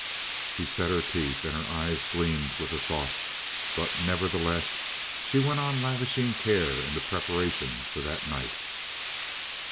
She set her teeth and her eyes gleamed with the thought. But nevertheless she went on lavishing care in the preparation for that night.